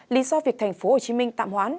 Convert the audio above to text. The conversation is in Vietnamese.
lý do việc tp hcm tạm hoán